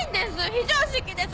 非常識です！